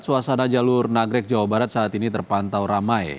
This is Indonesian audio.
suasana jalur nagrek jawa barat saat ini terpantau ramai